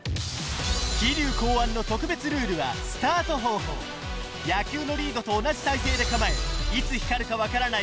桐生考案の特別ルールはスタート方法野球のリードと同じ体勢で構えいつ光るか分からない